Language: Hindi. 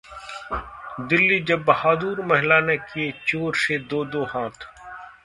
दिल्लीः जब बहादुर महिला ने किए चोर से दो- दो हाथ